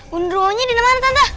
genderwo nya di mana tante